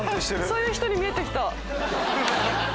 そういう人に見えて来た。